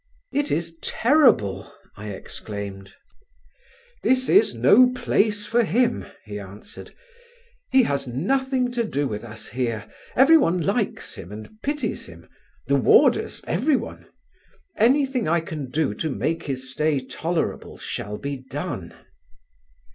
"It is terrible," I exclaimed. "This is no place for him," he answered. He has nothing to do with us here. Everyone likes him and pities him: the warders, everyone. Anything I can do to make his stay tolerable shall be done."